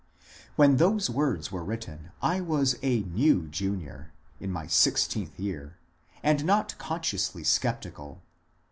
When those Words were written I was a new Junior (in my sixteenth year), and not consciously sceptical.